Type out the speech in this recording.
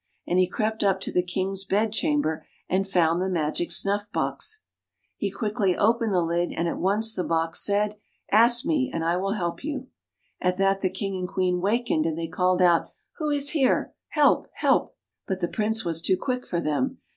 And he crept up to the King's bed chamber, and found the magic snuff box. [ 1 ^ 0 ] THE MAGIC SNUFF BOX He quickly opened the lid, and at once the box said, " Ask me, and I will help you." At that the King and Queen wakened, and they called out, " Who is here? Help! Help! " But the Prince was too quick for them.